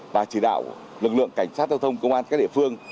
và chỉ đạo lực lượng cảnh sát giao thông công an các địa phương